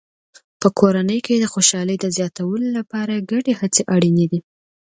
په کورنۍ کې د خوشحالۍ د زیاتولو لپاره ګډې هڅې اړینې دي.